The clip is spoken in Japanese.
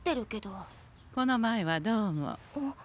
この前はどうも。